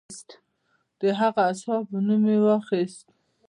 د هغو اصحابو نوم مې واخیست.